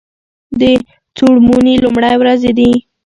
د څوړموني لومړی ورځې وې.